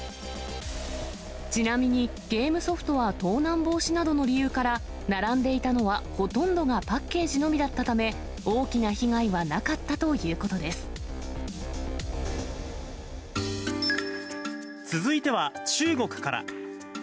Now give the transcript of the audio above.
ちなみにゲームソフトは盗難防止などの理由から、並んでいたのはほとんどがパッケージのみだったため、大きな被害続いては、中国から。